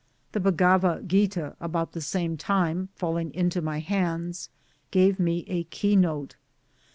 The Bhagavat Git a about the same time falling into my hands gave me a keynote.